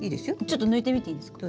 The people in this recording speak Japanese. ちょっと抜いてみていいですか？